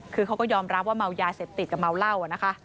คือเขาก็ยอมรับว่าเมายาเสพติดกับเมาเหล้าอะนะคะ